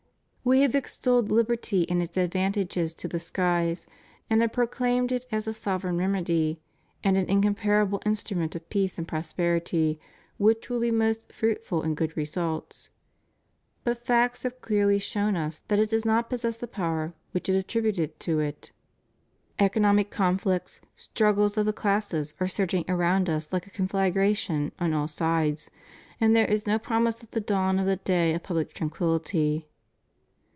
We have extolled liberty and its advantages to the skies, and have proclaimed it as a sovereign remedy and an incomparable instrument of peace and prosperity which will be most fruitful in good results. But facts have clearly shown us that it does not possess the power which it attributed to it. Economic conflicts, struggles of the classes are surging around us like a conflagration on all sides, and there is no promise of the dawn of the day of public tranquillity.